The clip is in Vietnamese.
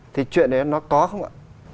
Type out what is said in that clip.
thì chuyện đấy nó có không ạ